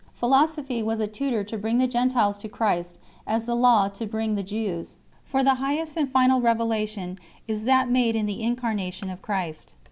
Philosophy was a tutor to bring the Gentiles to Christ, as the Law to bring the Jews 5 ; for the Highest and final revelation is that made in the Incarnation of Christ.